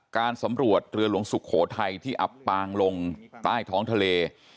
การสำรวจเรือหลวงสุโขทัยที่อับปางลงใต้ท้องทะเล